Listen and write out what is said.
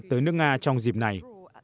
tới nước nga trong dịp này